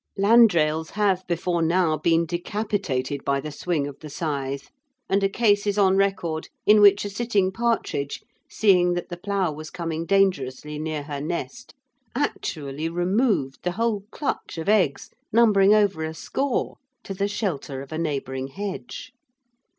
Landrails have before now been decapitated by the swing of the scythe, and a case is on record in which a sitting partridge, seeing that the plough was coming dangerously near her nest, actually removed the whole clutch of eggs, numbering over a score, to the shelter of a neighbouring hedge.